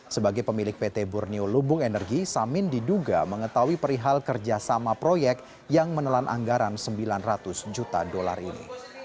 sebagai pemilik pt borneo lubung energi samin diduga mengetahui perihal kerjasama proyek yang menelan anggaran sembilan ratus juta dolar ini